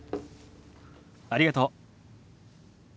ありがとう。